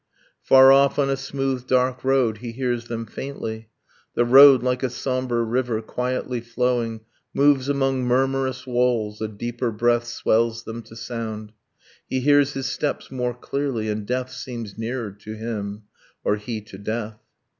Far off on a smooth dark road he hears them faintly. The road, like a sombre river, quietly flowing, Moves among murmurous walls. A deeper breath Swells them to sound: he hears his steps more clearly. And death seems nearer to him: or he to death.